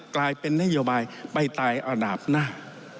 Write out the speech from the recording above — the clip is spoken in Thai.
กลายเป็นนโยบายไปตายอันดับหน้า